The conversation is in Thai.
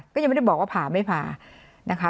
ก็ยังไม่ได้บอกว่าผ่าไม่ผ่านะคะ